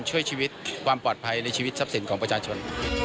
ช่วยชีวิตความปลอดภัยในชีวิตทรัพย์สินของประชาชน